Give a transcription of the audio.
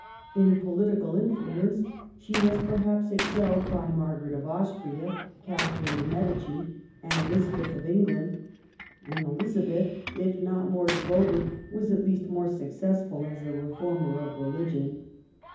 In poUtical influence she was, perhaps, excelled by Margaret of Austria, Catherine dei Medici, and Elizabeth of England ; and Elizabeth, if not more devoted, was at least more successful as a reformer of Religion.